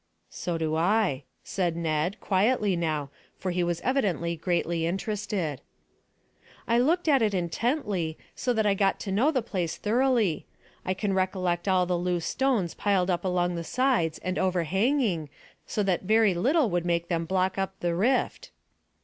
"So do I," said Ned, quietly now, for he was evidently greatly interested. "I looked at it intently, so that I got to know the place thoroughly. I can recollect all the loose stones piled up along the sides and overhanging so that very little would make them block up the rift."